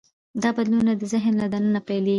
دا بدلون د ذهن له دننه پیلېږي.